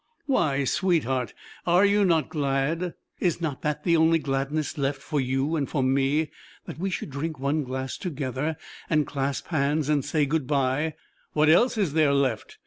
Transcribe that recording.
"Why, sweetheart, are you not glad? Is not that the only gladness left for you and for me, that we should drink one glass together, and clasp hands, and say good by? What else is there left?